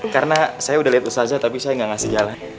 karena saya udah liat ustazah tapi saya gak ngasih jalan